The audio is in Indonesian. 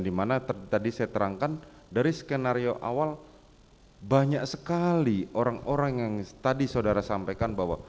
dimana tadi saya terangkan dari skenario awal banyak sekali orang orang yang tadi saudara sampaikan bahwa